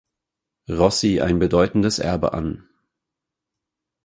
Rossi ein bedeutendes Erbe an.